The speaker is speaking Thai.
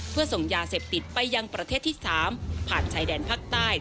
เพื่อส่งยาเสพติดไปยังประเทศที่๓ผ่านชายแดนภาคใต้